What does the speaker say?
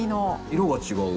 色が違う。